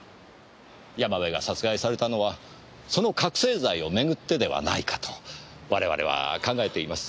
山部が殺害されたのはその覚せい剤を巡ってではないかと我々は考えています。